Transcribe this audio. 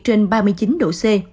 trên ba mươi chín độ c